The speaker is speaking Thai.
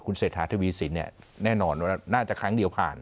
คุณเศรษฐธวิสินแน่นอนว่าน่าจะครั้งเดียวผ่าน